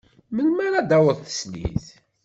Melmi ara d-taweḍ teslit?